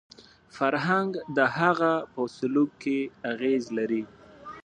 فرهنګ د هغه په سلوک کې اغېز لري